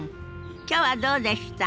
きょうはどうでした？